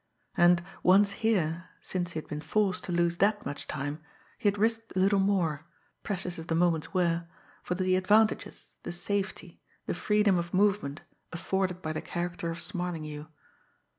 And, once here, since he had been forced to lose that much time, he had risked a little more, precious as the moments were, for the advantages, the safety, the freedom of movement, afforded by the character of Smarlinghue.